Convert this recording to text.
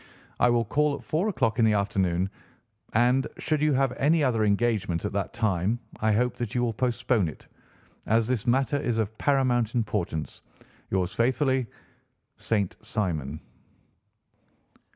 I will call at four o'clock in the afternoon, and, should you have any other engagement at that time, I hope that you will postpone it, as this matter is of paramount importance. Yours faithfully, "'ROBERT ST. SIMON.